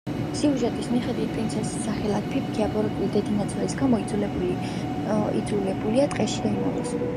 სიუჟეტის მიხედვით, პრინცესა სახელად „ფიფქია“ ბოროტი დედინაცვლის გამო იძულებულია ტყეში დაიმალოს.